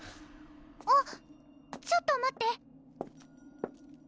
ちょっと待って！